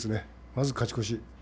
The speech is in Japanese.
まず勝ち越し。